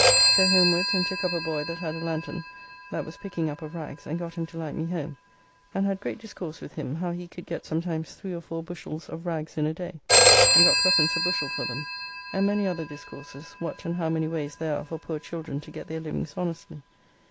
So homewards and took up a boy that had a lanthorn, that was picking up of rags, and got him to light me home, and had great discourse with him how he could get sometimes three or four bushells of rags in a day, and got 3d. a bushell for them, and many other discourses, what and how many ways there are for poor children to get their livings honestly.